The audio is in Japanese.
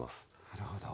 なるほど。